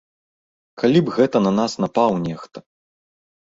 Калі б гэта на нас напаў нехта.